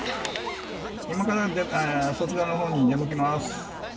今からそちらのほうに出向きます。